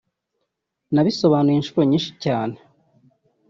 Nabisobanuye inshuro nyinshi cyane